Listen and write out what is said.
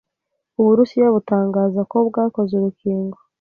Uburusiya butangaza ko bwakoze urukingo